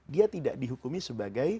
dia tidak dihukumi sebagai sahabat nabi